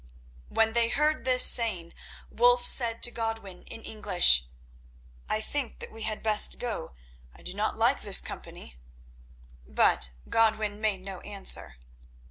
When they heard this saying Wulf said to Godwin, in English: "I think that we had best go; I do not like this company." But Godwin made no answer.